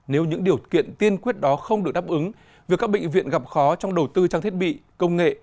nếu những điều kiện tiên quyết đó không được đáp ứng việc các bệnh viện gặp khó trong đầu tư trang thiết bị công nghệ